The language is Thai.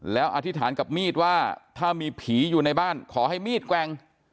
แล้วอธิษฐานกับมีดว่าถ้ามีผีอยู่ในบ้านขอให้มีดแกว่ง